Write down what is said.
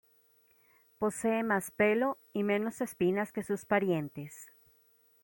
Posee más pelo y menos espinas que sus parientes.